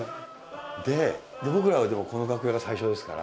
僕らはでもこの楽屋が最初ですから。